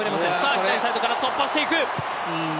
左サイドから突破していく。